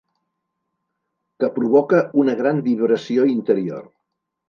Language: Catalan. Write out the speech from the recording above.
Que provoca una gran vibració interior.